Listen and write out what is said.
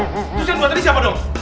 wah itu siapa tadi siapa dong